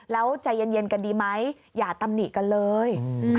แล้วใจเย็นกันดีไหมอย่าตำหนิกันเลย